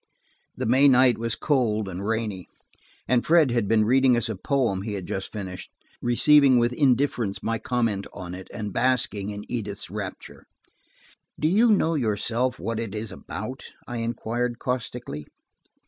The May night was cold and rainy, and Fred had been reading us a poem he had just finished, receiving with indifference my comment on it, and basking in Edith's rapture. "Do you know yourself what it is about?" I inquired caustically.